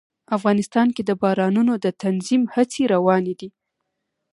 افغانستان کې د بارانونو د تنظیم هڅې روانې دي.